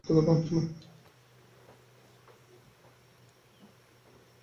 অবিলম্বে এসব হত্যাকাণ্ডের বিচার ত্বরান্বিত করে জড়িত ব্যক্তিদের গ্রেপ্তার করতে হবে।